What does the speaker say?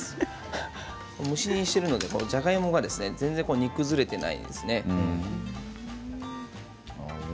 蒸し煮にしているのでじゃがいもが全然、煮崩れていないですよね。